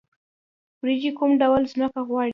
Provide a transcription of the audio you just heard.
وریجې کوم ډول ځمکه غواړي؟